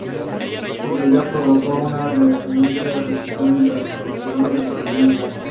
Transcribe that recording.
Su teoría provocó una vehemente oposición entre los profesionales de la salud mental.